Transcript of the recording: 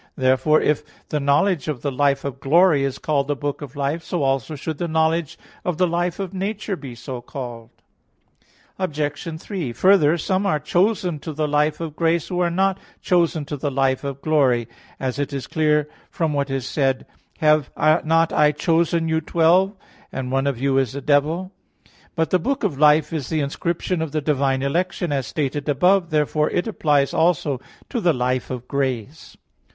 Therefore, if the knowledge of the life of glory is called the book of life; so also should the knowledge of the life of nature be so called. Obj. 3: Further, some are chosen to the life of grace who are not chosen to the life of glory; as it is clear from what is said: "Have not I chosen you twelve, and one of you is a devil?" (John 6:71). But the book of life is the inscription of the divine election, as stated above (A. 1). Therefore it applies also to the life of grace.